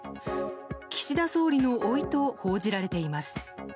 岸田総理のおいと報じられています。